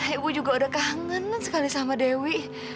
ibu juga udah kangen sekali sama dewi